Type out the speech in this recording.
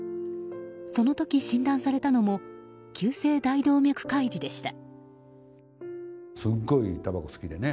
その時診断されたのも急性大動脈解離でした。